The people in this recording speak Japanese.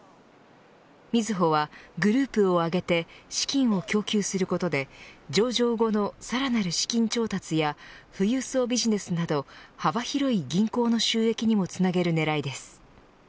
みずほはグループをあげて資金を供給することで上場後のさらなる資金調達や富裕層ビジネスなど幅広い銀行の収益にもつなげる狙いです。